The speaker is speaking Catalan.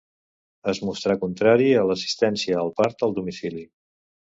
Es mostrà contrari a l'assistència al part al domicili.